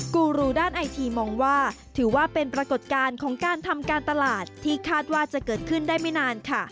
กูรูด้านไอทีมองว่าถือว่าเป็นปรากฏการณ์ของการทำการตลาดที่คาดว่าจะเกิดขึ้นได้ไม่นานค่ะ